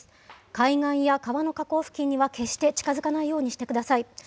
海岸や川の河口付近には決して近づかないようにしてください。